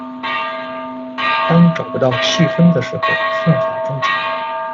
当找不到细分的时候，算法终止。